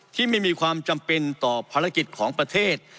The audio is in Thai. ที่ไม่มีความจำเป็นต่อภารกิจของประเทศ